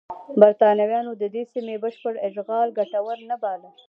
برېټانویانو د دې سیمې بشپړ اشغال ګټور نه باله.